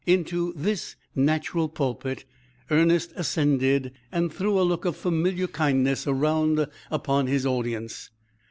Into this natural pulpit Ernest ascended, and threw a look of familiar kindness around upon his audience.